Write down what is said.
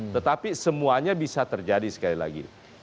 tetapi semuanya bisa terjadi sekali lagi